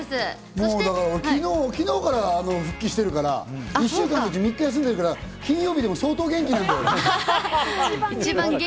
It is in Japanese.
昨日から復帰してるから、１週間のうち３日休んでるから、金曜日でも相当元気なんだよ。